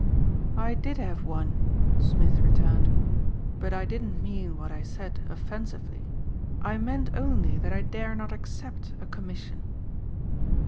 "I did have one," Smith returned, "but I didn't mean what I said offensively. I meant only that I dare not accept a commission."